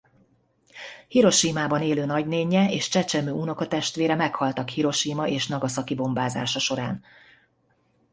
Hirosimában élő nagynénje és csecsemő unokatestvére meghaltak Hirosima és Nagaszaki bombázása során.